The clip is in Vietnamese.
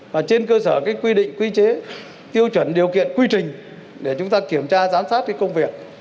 và trên cơ sở cái quy định quy chế tiêu chuẩn điều kiện quy trình để chúng ta kiểm tra giám sát cái công việc